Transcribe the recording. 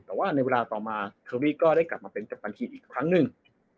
แต่ว่าในเวลาต่อมาเคอรี่ก็ได้กลับมาเป็นกัปตันทีมอีกครั้งหนึ่ง